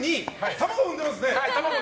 卵産んでますね！